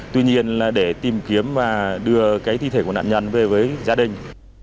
tuy nhiên là để tìm kiếm và đưa cái thi thể của nạn nhân về với gia đình